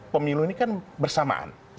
pemilu ini kan bersamaan